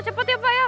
cepet ya pak ya